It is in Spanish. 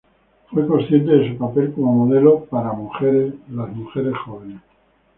Fue consciente de su papel como modelo para las mujeres jóvenes.